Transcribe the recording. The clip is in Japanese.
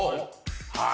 はい。